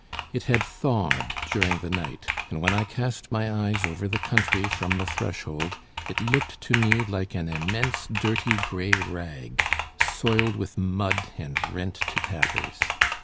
It had thawed during the night, and when I cast my eyes over the country from the threshold, it looked to me like an immense dirty grey rag, soiled with mud and rent to tatters.